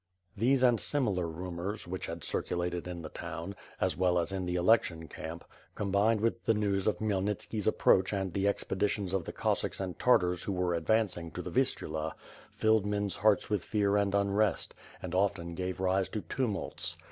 These and similar umors which had circulated in the town, as well as in the election camp, combined with the news of Khmyelnitski's approach and the expeditions of the Cossacks and Tartars who were advancing to the Vistula, filled men's hearts with fear and unrest, and often gave rise to tumults.